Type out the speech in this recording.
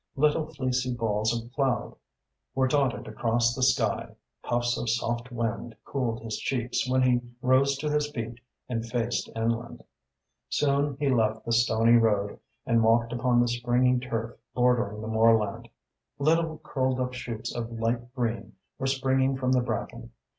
Little fleecy balls of cloud were dotted across the sky, puffs of soft wind cooled his cheeks when he rose to his feet and faced inland. Soon he left the stony road and walked upon the springy turf bordering the moorland. Little curled up shoots of light green were springing from the bracken.